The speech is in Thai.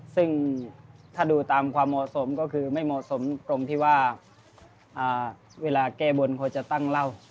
ซึ่งถ้าดูตามความเหมาะสมก็คือไม่เหมาะสมตรงที่ว่าเวลาแก้บนเขาจะตั้งเหล้า